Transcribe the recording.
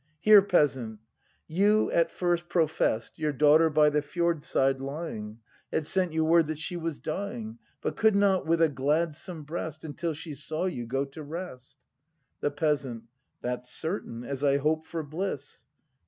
] Hear, peasant; you at first profess'd, Your daughter by the f jordside lying. Had sent you word that she was dying, But could not with a gladsome breast, Until she saw you, go to lest? The Peasant. That's certain, as I hope for bliss!